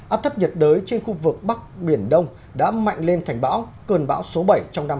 áp thấp nhiệt đới trên khu vực bắc biển đông đã mạnh lên thành bão cơn bão số bảy trong năm hai nghìn hai mươi